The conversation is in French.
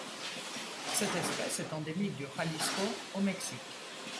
Cette espèce est endémique du Jalisco au Mexique.